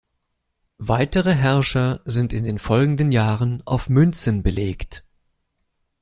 Weitere Herrscher sind in den folgenden Jahren auf Münzen belegt.